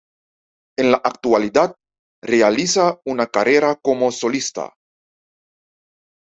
En la actualidad, realiza una carrera como solista.